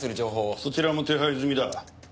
そちらも手配済みだ。